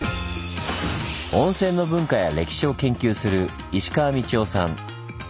温泉の文化や歴史を研究する石川理夫さん。